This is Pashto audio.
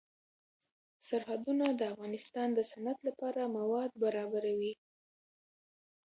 سرحدونه د افغانستان د صنعت لپاره مواد برابروي.